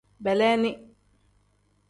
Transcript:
Beleeni.